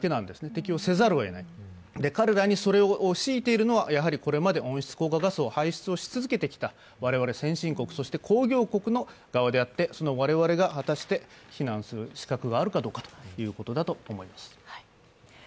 適応せざるをえない彼らにそれを強いているのはやはりこれまで温室効果ガスを排出し続けてきた我々先進国そして工業国の側であって、その我々が非難する資格があるかどうかということです。